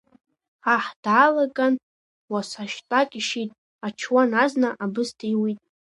Аҳ даалаган уасашьтәак ишьит, ачуан азна абысҭа иуит.